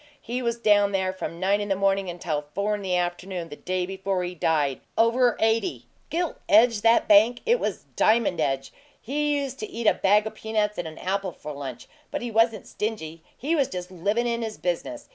He was down there from nine in the morning until four in the afternoon the day before he died over eighty! Gilt edge, that bank? It was diamond edge! He used to eat a bag o' peanuts and an apple for lunch; but he wasn't stingy he was just livin' in his business.